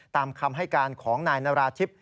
ตามคำให้การของนายนราธิบ